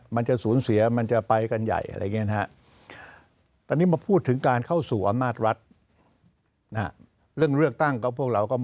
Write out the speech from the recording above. มันจะสูญเสียมันจะไปกันใหญ่อะไรอย่างนี้นะครับ